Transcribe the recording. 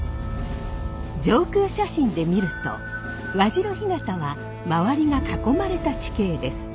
上空写真で見ると和白干潟は周りが囲まれた地形です。